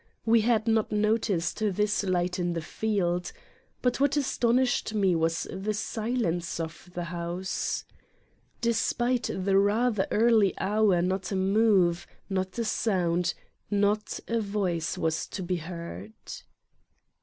We had not no ticed this light in the field. But what astonished me was the silence of the house. Despite the 17 Satan's 'T " rather early hour not a move, not a sound, not a voice was to be heard.